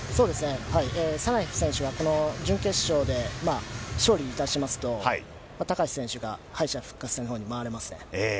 サナエフ選手がこの準決勝で、勝利いたしますと、高橋選手が敗者復活戦のほうに回れます。